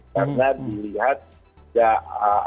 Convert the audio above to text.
karena dilihat tidak berhasil